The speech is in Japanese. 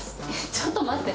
ちょっと待って。